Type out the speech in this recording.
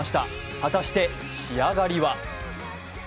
果たして仕上がりは？